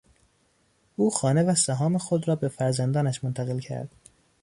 او خانه و سهام خود را به فرزندانش منتقل کرد.